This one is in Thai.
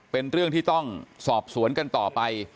เป็นเรื่องที่ต้องสอบสวนกันต่อไป